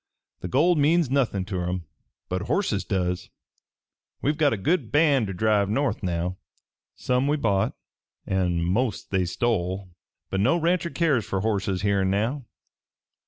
The gold means nothin' ter 'em, but horses does. We've got a good band ter drive north now. Some we bought an' most they stole, but no rancher cares fer horses here an' now.